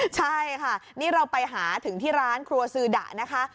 ใช่ค่ะนี่เราไปหาถึงที่ร้านครัวซือดะนะคะ